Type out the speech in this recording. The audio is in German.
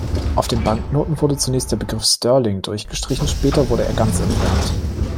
Auf den Banknoten wurde zunächst der Begriff Sterling durchgestrichen, später wurde er ganz entfernt.